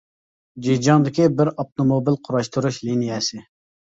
جېجياڭدىكى بىر ئاپتوموبىل قۇراشتۇرۇش لىنىيەسى.